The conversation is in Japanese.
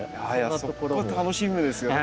そこ楽しみですよね。